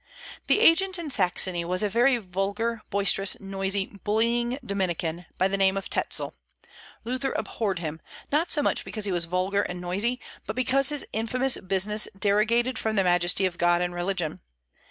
The agent in Saxony was a very vulgar, boisterous, noisy, bullying Dominican, by the name of Tetzel. Luther abhorred him, not so much because he was vulgar and noisy, but because his infamous business derogated from the majesty of God and religion.